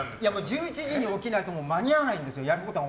１１時に起きないと間に合わないんですよ